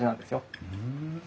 ふん。